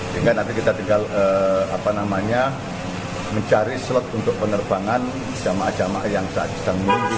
sehingga nanti kita tinggal mencari slot untuk penerbangan jemaah jemaah yang saat ini